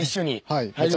はい。